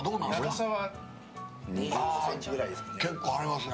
長さは２５ｃｍくらいですね。